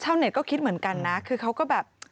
เน็ตก็คิดเหมือนกันนะคือเขาก็แบบ